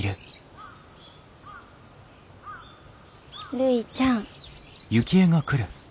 るいちゃん。